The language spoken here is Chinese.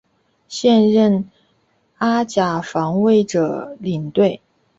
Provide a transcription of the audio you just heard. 现任阿甲防卫者领队。